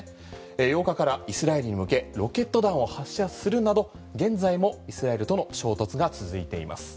８日からイスラエルに向けロケット弾を発射するなど現在もイスラエルとの衝突が続いています。